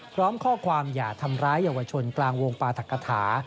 พร้อมข้อความอย่าทำร้ายเยาวชนกลางวงปราธกฐา